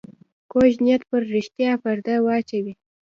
کوږ نیت پر رښتیا پرده واچوي